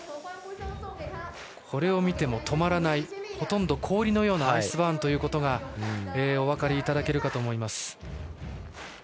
これを見ても、止まらないほとんど氷のようなアイスバーンということがお分かりいただけるかと思います。